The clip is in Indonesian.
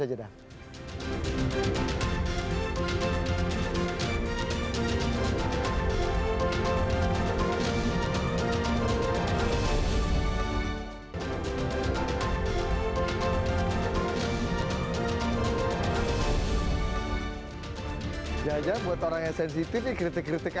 jangan jangan buat orang yang sensitif kritik kritik